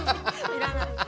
いらない。